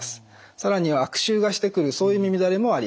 更には悪臭がしてくるそういう耳だれもありえます。